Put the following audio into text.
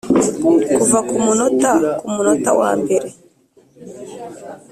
kuva kumunota kumunota wambere